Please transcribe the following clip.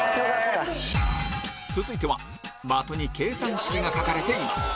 続いては的に計算式が書かれています